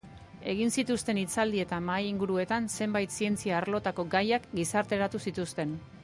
Egin zituzten hitzaldi eta mahai-inguruetan, zenbait zientzia-arlotako gaiak gizarteratu zituzten.